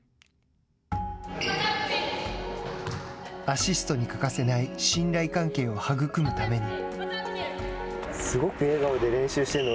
アシストに欠かせない信頼関係を育むために。